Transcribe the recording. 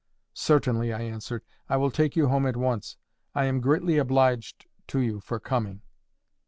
"Certainly," I answered. "I will take you home at once. I am greatly obliged to you for coming."